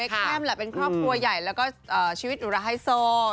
แคมแหละเป็นครอบครัวใหญ่แล้วก็ชีวิตอุระไฮโซ